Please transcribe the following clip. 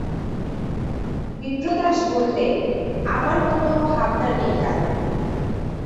বিপ্রদাস বললে, আমার কোনো ভাবনা নেই কালু।